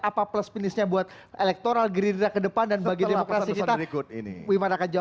apa plus minusnya buat elektoral gerindra ke depan dan bagi demokrasi kita akan jawab